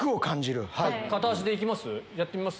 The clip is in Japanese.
片足で行きます？